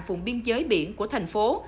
vùng biên giới biển của thành phố